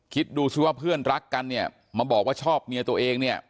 คิดดูสิว่าเพื่อนรักกันเนี่ยมาบอกว่าชอบเมียตัวเองเนี่ย